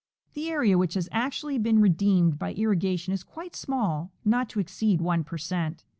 The area which has actually been redeemed by irri gation is quite small, not to exceed 1 per cent.